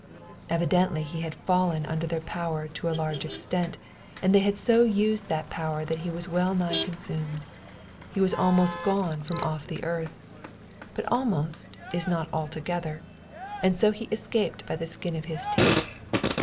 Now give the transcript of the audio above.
Evidently he had fallen under their power to a large extent, and they bad so used that power that he was well nigh consumed. He was almost gone from off the earth ; but almost is not altogether, and so he escaped by the skin of his teeth.